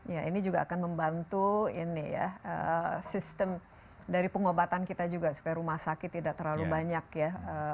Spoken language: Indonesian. ya ini juga akan membantu ini ya sistem dari pengobatan kita juga supaya rumah sakit tidak terlalu banyak ya